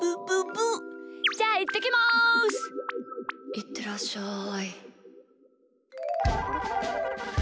いってらっしゃい。